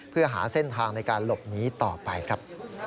เพื่อหาเส้นทางในการหลบหนีต่อไปครับ